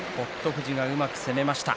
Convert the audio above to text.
富士がうまく攻めました。